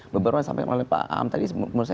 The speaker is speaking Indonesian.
beberapa yang saya sampaikan oleh pak aam tadi